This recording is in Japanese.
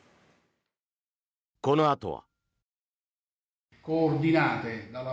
このあとは。